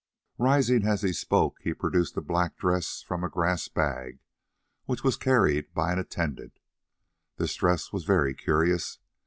Rising as he spoke, he produced a black dress from a grass bag, which was carried by an attendant. This dress was very curious.